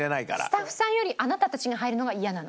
スタッフさんよりあなたたちが入るのが嫌なの。